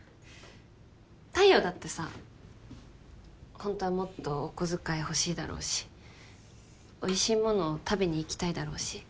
太陽だってさホントはもっとお小遣い欲しいだろうしおいしいもの食べに行きたいだろうし。